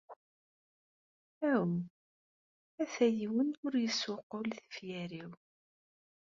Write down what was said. Aw! ata yiwen ur yessuqul tifyar-iw!